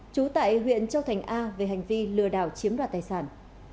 trú tại huyện châu thành a về hành vi lừa đảo chiếm đoạt tài sản